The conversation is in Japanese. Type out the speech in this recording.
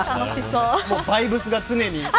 もうバイブスが常に。